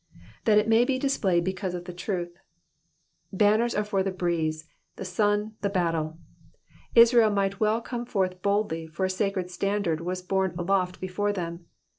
^^That it may he displayed because of the truth.^^ Banners are for the breeze, the sun, the battle. Israel might well come forth boldly, for a sacred standard was borne aloft before them.